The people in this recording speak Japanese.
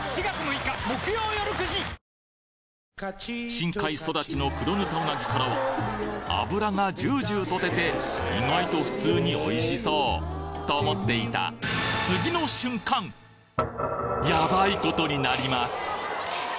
深海育ちのクロヌタウナギからは脂がジュージューと出て意外と普通においしそう！と思っていたヤバいことになります